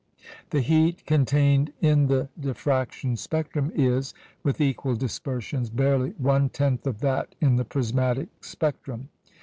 The heat contained in the diffraction spectrum is, with equal dispersions, barely one tenth of that in the prismatic spectrum.